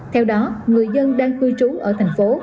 theo đó người dân đang cư trú ở thành phố